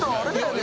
ね